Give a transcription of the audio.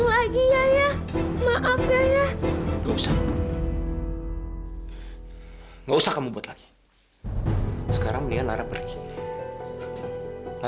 eh ini mau dibawa kemana lara mau dibawa kemana